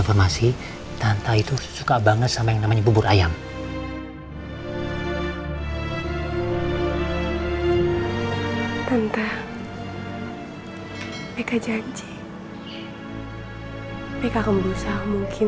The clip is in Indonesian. mereka akan berusaha mungkin